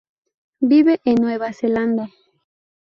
Vive en Nueva Zelanda.